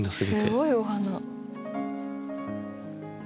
すごいお花。